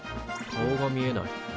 顔が見えない。